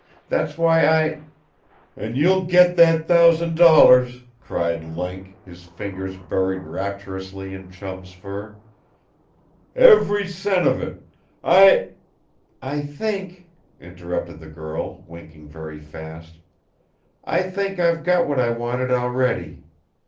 That's why I " "An' you'll get that thousand dollars!" cried Link, his fingers buried rapturously in Chum's fur. "Ev'ry cent of it. I " "I think," interrupted the girl, winking very fast. "I think I've got what I wanted, already.